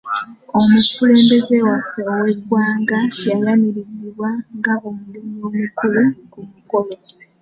Omukulembeze waffe ow'eggwanga yayanirizibwa nga omugenyi omukulu ku mukolo.